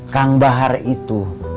kang bahar itu